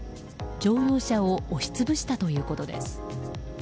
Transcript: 乗用車を押し潰したということです。